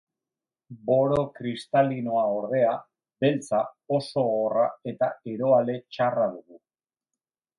Boro kristalinoa, ordea, beltza, oso gogorra eta eroale txarra dugu.